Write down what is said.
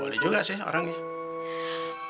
boleh juga sih orangnya